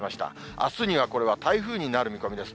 あすにはこれが台風になる見込みです。